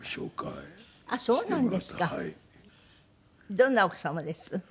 どんな奥様です？